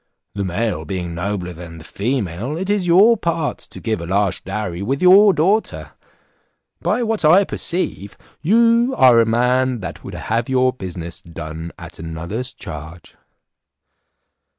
The male being nobler than the female, it is your part to give a large dowry with your daughter. By what I perceive, you are a man that would have your business done at another's charge."